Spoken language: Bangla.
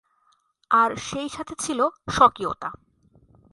আর সেই সাথে ছিল স্বকীয়তা।